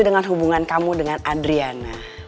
dengan hubungan kamu dengan adriana